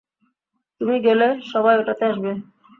তুমি গেলে, সবাই ওটাতে আসবে।